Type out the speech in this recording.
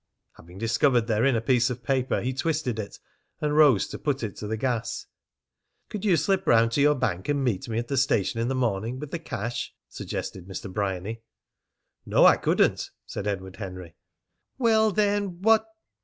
Having discovered therein a piece of paper, he twisted it and rose to put it to the gas. "Could you slip round to your bank and meet me at the station in the morning with the cash?" suggested Mr. Bryany. "No, I couldn't," said Edward Henry. "Well, then, what